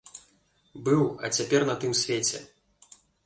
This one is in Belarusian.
Быў, а цяпер на тым свеце!